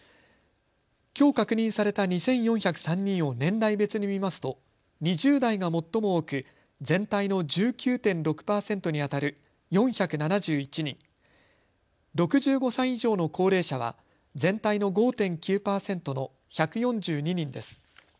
きょう確認された２４０３人を年代別に見ますと２０代が最も多く全体の１９．６％にあたる４７１人、６５歳以上の高齢者は全体の５．９％の１４２人です。